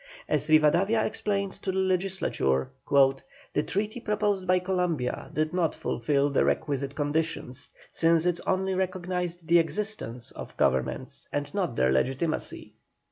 As Rivadavia explained to the Legislature: "The treaty proposed by Columbia did not fulfil the requisite conditions, since it only recognised the existence of governments and not their legitimacy."